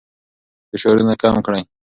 فشارونه کم کړئ.